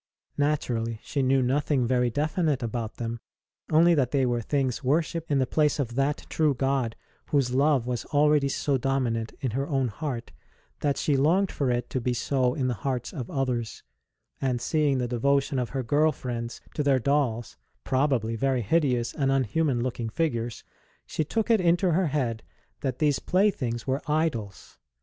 Naturally, she knew nothing very definite about them, only that they were things worshipped in the place of that true God whose love was already so domin ant in her own heart that she longed for it to be so in the hearts of others; and seeing the devotion of her girl friends to their dolls (probably very hideous and unhuman looking figures), she took it into her head that these playthings were idols.